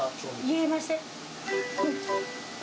言えません。